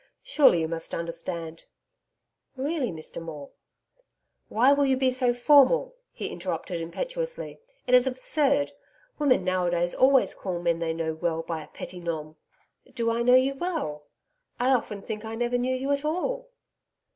Surely you must understand?' 'Really, Mr Maule.' 'Why will you be so formal!' he interrupted impetuously. 'It is absurd. Women nowadays always call men they know well by a PETIT NOM.' 'Do I know you well! I often think I never knew you at all.'